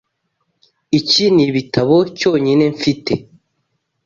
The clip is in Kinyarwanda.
Iki nibitabo cyonyine mfite.